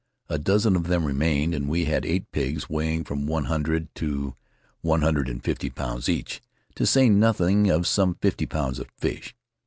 A dozen of them remained, and we had eight pigs weighing from one hundred to one hundred and fifty pounds each, to say nothing of some fifty pounds of fish.